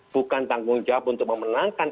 bukan tanggung jawab untuk memenangkan